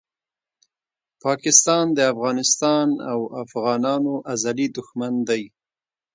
پاکستان دافغانستان او افغانانو ازلي دښمن ده